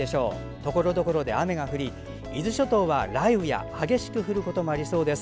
ところどころで雨が降り伊豆諸島は雷雨や激しく降ることもありそうです。